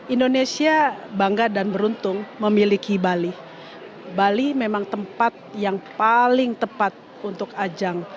indonesia bangga dan beruntung memiliki bali bali memang tempat yang paling tepat untuk ajang